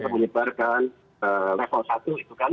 menyebarkan level satu itu kan